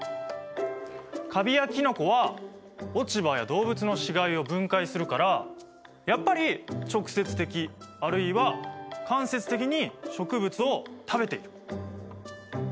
カビやキノコは落ち葉や動物の死骸を分解するからやっぱり直接的あるいは間接的に植物を食べている。